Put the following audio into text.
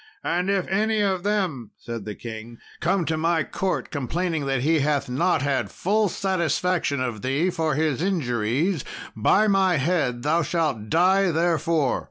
"And if any of them," said the king, "come to my court complaining that he hath not had full satisfaction of thee for his injuries, by my head, thou shalt die therefor."